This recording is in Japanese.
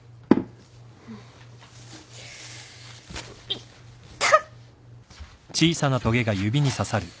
いった。